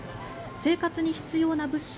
生活に必要な物資